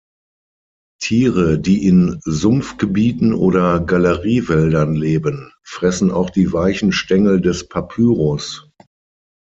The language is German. Tiere, die in Sumpfgebieten oder Galeriewäldern leben, fressen auch die weichen Stängel des Papyrus.